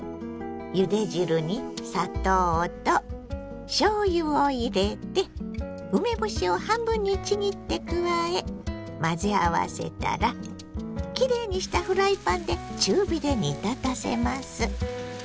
ゆで汁に砂糖としょうゆを入れて梅干しを半分にちぎって加え混ぜ合わせたらきれいにしたフライパンで中火で煮立たせます。